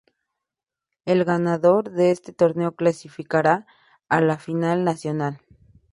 El ganador de este torneo clasificaría a la final nacional.